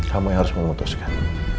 kamu yang harus memutuskan